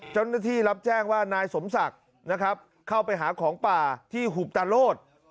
เจ้าหน้าที่รับแจ้งว่านายสมศักดิ์นะครับเข้าไปหาของป่าที่หุบตาโลศ